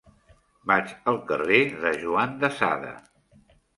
Vaig al carrer de Juan de Sada.